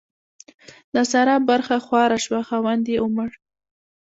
د سارا برخه خواره شوه؛ خاوند يې ومړ.